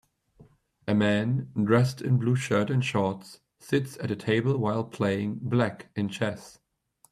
A man dressed in blue shirt and shorts sits at a table while playing black in chess.